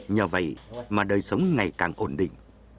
nhờ vậy mà đời sống ngày càng ổn định